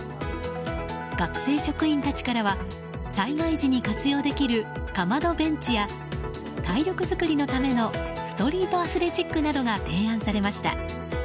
学生職員たちからは災害時に活用できるかまどベンチや体力作りのためのストリートアスレチックなどが提案されました。